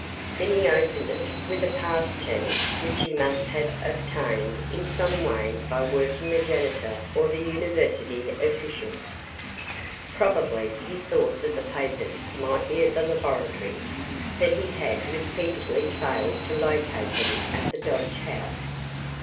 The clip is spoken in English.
Then he opened it with a pass key which he must have obtained in some way by working the janitor or the university officials. Probably he thought that the papers might be at the laboratory, for he had repeatedly failed to locate them at the Dodge house.